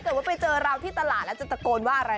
คุณผู้ชมถ้าเจอเราที่ตลาดแล้วจะตะโกนว่าอะไร